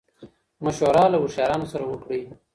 مشوره له هوښيارانو سره وکړئ.